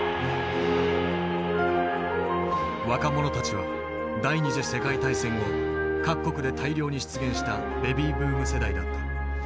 若者たちは第２次世界大戦後各国で大量に出現したベビーブーム世代だった。